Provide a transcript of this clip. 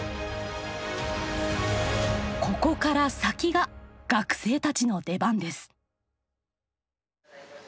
ここから先が学生たちの出番です。